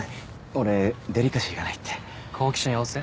俺デリカシーがないって好奇心旺盛？